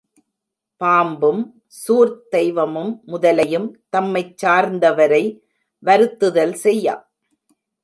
பாம்பும், சூர்த் தெய்வமும், முதலையும் தம்மைச் சார்ந்தவரை வருத்துதல் செய்யா.